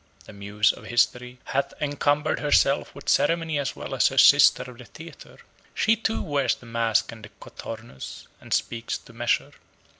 The Muse of History hath encumbered herself with ceremony as well as her Sister of the Theatre. She too wears the mask and the cothurnus, and speaks to measure.